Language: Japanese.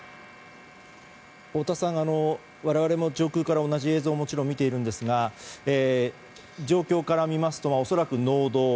太田さん、我々も上空から同じ映像を見ているんですが状況から見ますと、恐らく農道。